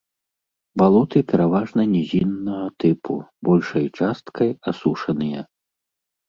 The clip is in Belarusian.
Балоты пераважна нізіннага тыпу, большай часткай асушаныя.